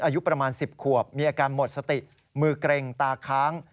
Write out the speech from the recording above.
อายุประมาณ๑๐ขวบมีอาการหมดสติมือเกร็งตาค้าง